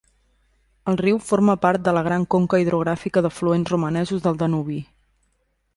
El riu forma part de la gran conca hidrogràfica d'afluents romanesos al Danubi.